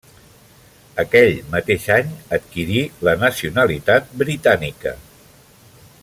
Aquell mateix any adquirí la nacionalitat britànica.